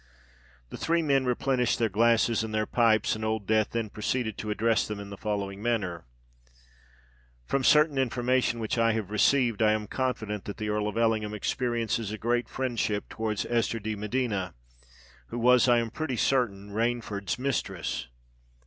The three men replenished their glasses and their pipes; and Old Death then proceeded to address them in the following manner:— "From certain information which I have received, I am confident that the Earl of Ellingham experiences a great friendship towards Esther de Medina, who was, I am pretty certain, Rainford's mistress."